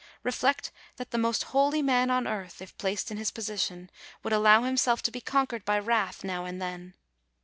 Reflect, that the most holy man on earth, if placed in his position, would allow himself to be conquered by wrath now and then.